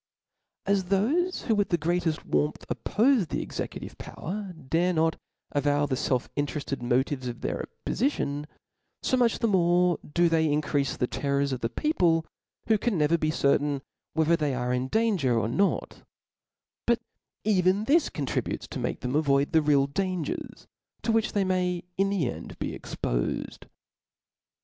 As thofe who with the greateft warmth oppofe the executive power, dare not avow the felf in* terefted motives of their oppoficion, fo much the more do they increafe the terrors of the people, who can never be certain whether they are in dan* ger or not« But even this contributes to make them avoid the real dai^ers, to which they may, in the end, be expofed.